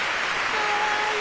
かわいい。